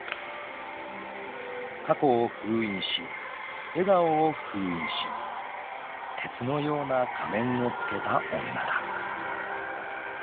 ［過去を封印し笑顔を封印し鉄のような仮面をつけた女だ］